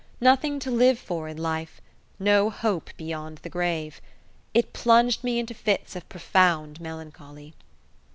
Nothing to live for in life no hope beyond the grave. It plunged me into fits of profound melancholy.